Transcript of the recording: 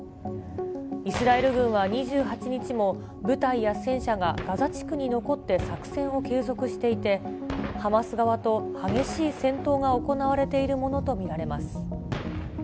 イスラエル軍は２８日も、部隊や戦車がガザ地区に残って作戦を継続していて、ハマス側と激しい戦闘が行われているものと見られます。